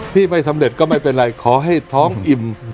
ที่ไม่สำเร็จก็ไม่เป็นไรขอให้ท้องอิ่ม